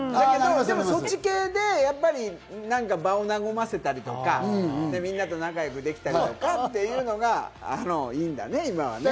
でも、そっち系で場を和ませたりとか、みんなと仲良くできたりとかっていうのがいいんだね、今はね。